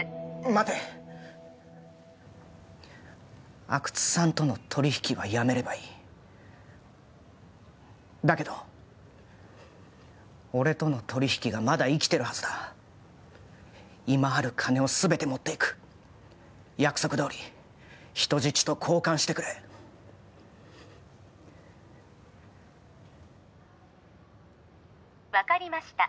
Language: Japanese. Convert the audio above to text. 待て阿久津さんとの取引はやめればいいだけど俺との取引がまだ生きてるはずだ今ある金をすべて持っていく約束どおり人質と交換してくれ分かりました